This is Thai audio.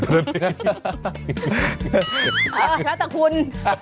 แล้วแต่คุณ